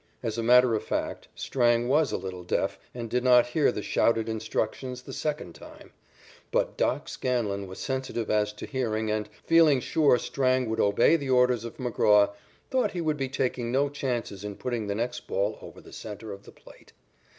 As a matter of fact, Strang was a little deaf and did not hear the shouted instructions the second time. But "Doc" Scanlon was sensitive as to hearing and, feeling sure Strang would obey the orders of McGraw, thought he would be taking no chances in putting the next ball over the centre of the plate.